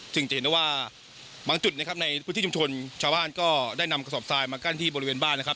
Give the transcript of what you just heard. จะเห็นได้ว่าบางจุดนะครับในพื้นที่ชุมชนชาวบ้านก็ได้นำกระสอบทรายมากั้นที่บริเวณบ้านนะครับ